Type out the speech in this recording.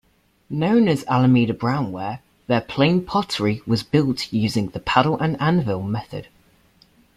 Known as Alameda Brown Ware, their plain pottery was built using the paddle-and-anvil method.